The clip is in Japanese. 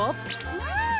うん！